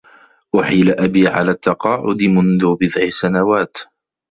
أحيل أبي على التّقاعد منذ بضع سنوات.